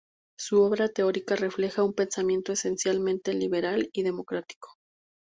Su obra teórica refleja un pensamiento esencialmente liberal y democrático.